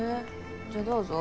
じゃあどうぞ。